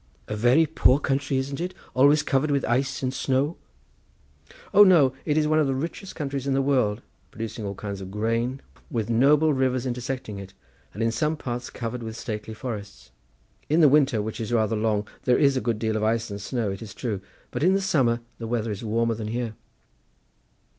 "A very poor country, isn't it, always covered with ice and snow?" "O no; it is one of the richest countries in the world, producing all kinds of grain, with noble rivers intersecting it, and in some parts covered with stately forests. In the winter, which is rather long, there is a good deal of ice and snow, it is true, but in the summer the weather is warmer than here."